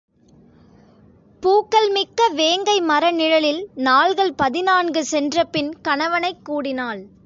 பூக்கள் மிக்க வேங்கை மர நிழலில் நாள்கள் பதினான்கு சென்றபின் கணவனைக் கூடினாள்.